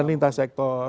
dan lintas sektor